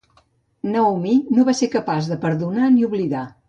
Naomi no va ser capaç de perdonar ni d'oblidar.